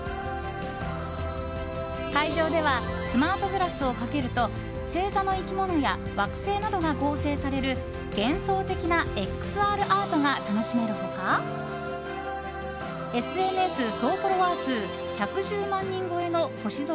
会場ではスマートグラスをかけると星座の生き物や惑星などが合成される幻想的なＸＲアートが楽しめる他ＳＮＳ総フォロワー数１１０万人超えの星空